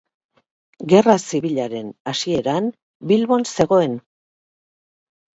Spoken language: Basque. Gerra Zibilaren hasieran Bilbon zegoen.